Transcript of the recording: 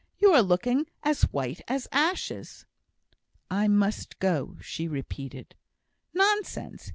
You are looking as white as ashes." "I must go," she repeated. "Nonsense!